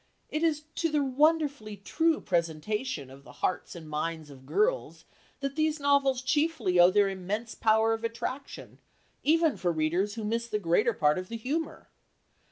It is to the wonderfully true presentation of the hearts and minds of girls that these novels chiefly owe their immense power of attraction even for readers who miss the greater part of the humour.